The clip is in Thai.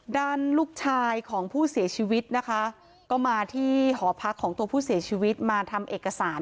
ด้านลูกชายของผู้เสียชีวิตนะคะก็มาที่หอพักของตัวผู้เสียชีวิตมาทำเอกสาร